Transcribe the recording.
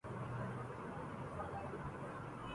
ہوئے مر کے ہم جو رسوا ہوئے کیوں نہ غرق دریا